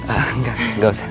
eee enggak gak usah